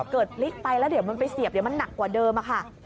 เกิดพลิกไปแล้วเดี๋ยวมันไปเสียบเดี๋ยวมันหนักกว่าเดิมค่ะ